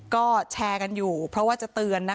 ก็แชร์กันอยู่เพราะว่าจะเตือนนะ